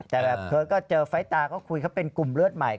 แต่แบบเธอก็เจอไฟล์ตาก็คุยเขาเป็นกลุ่มเลือดใหม่